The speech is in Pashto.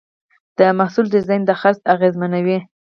د محصول ډیزاین د خرڅ اغېزمنوي.